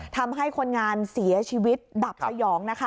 ทำให้คนงานเสียชีวิตดับสยองนะคะ